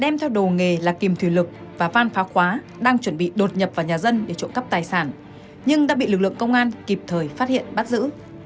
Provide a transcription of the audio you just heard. đem theo đồ nghề là kìm thủy lực và van phá khóa đang chuẩn bị đột nhập vào nhà dân để trộm cắp tài sản nhưng đã bị lực lượng công an kịp thời phát hiện bắt giữ